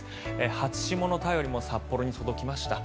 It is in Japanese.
初霜の便りも札幌に届きました。